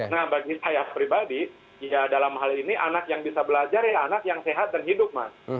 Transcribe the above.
nah bagi saya pribadi ya dalam hal ini anak yang bisa belajar ya anak yang sehat dan hidup mas